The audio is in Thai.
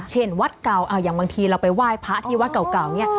เช่นวัดเก่าอย่างบางทีเราไปไหว้พระที่วัดเก่าเนี่ย